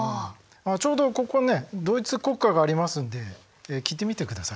ちょうどここねドイツ国歌がありますんで聴いてみてください。